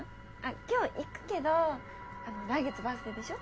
今日行くけどあの来月バースデーでしょ？